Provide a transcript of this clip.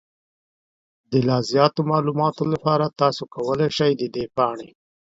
د لا زیاتو معلوماتو لپاره، تاسو کولی شئ د دې پاڼې